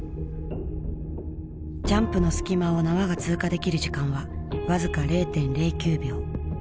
ジャンプの隙間を縄が通過できる時間は僅か０．０９秒。